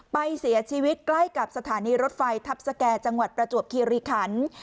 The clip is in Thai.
ไปเสียชีวิตใกล้กับสถานีรถไฟทัพสแก่จังหวัดประจวบคีรีขัน